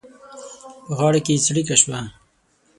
په غاړه کې څړيکه شوه.